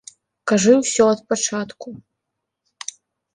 Кажы ўсё ад пачатку.